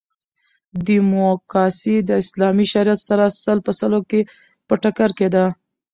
ډیموکاسي د اسلامي شریعت سره سل په سلو کښي په ټکر کښي ده.